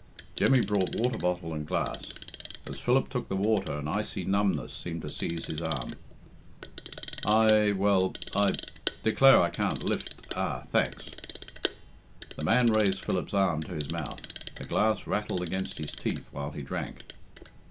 Jemmy brought water bottle and glass. As Philip took the water an icy numbness seemed to seize his arm. "I well, I I declare I can't lift ah! thanks." The man raised Philip's arm to his mouth; the glass rattled against his teeth while he drank.